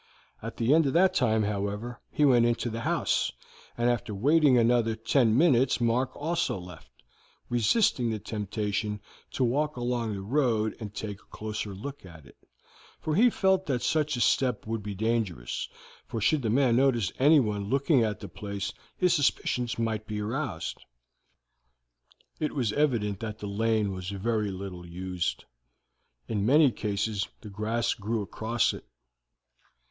At the end of that time, however, he went into the house, and after waiting another ten minutes Mark also left, resisting the temptation to walk along the road and take a closer look at it, for he felt that such a step would be dangerous, for should the man notice anyone looking at the place his suspicions might be aroused. It was evident that the lane was very little used; in many cases the grass grew across it.